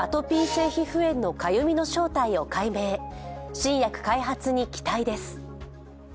新薬開発に期待です。